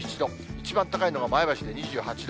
一番高いのが前橋で２８度。